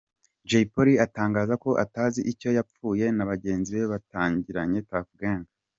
Jay Polly atangaza ko atazi icyo yapfuye na bagenzi be batangiranye Tuff Gangz .